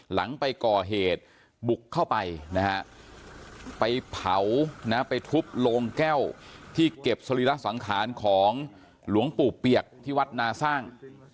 หลังไปก่อเหตุบุกเข้าไปนะฮะไปเผานะไปทุบโลงแก้วที่เก็บสรีระสังขารของหลวงปู่เปียกที่วัดนาสร้าง